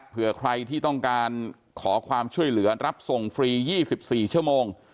เผื่อใครที่ต้องการขอความช่วยเหลือรับส่งฟรี๒๔ชั่วโมง